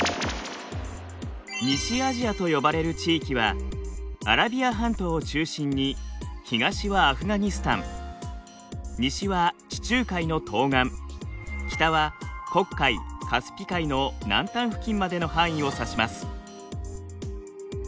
西アジアと呼ばれる地域はアラビア半島を中心に東はアフガニスタン西は地中海の東岸北は黒海カスピ海の南端付近までの範囲を指します。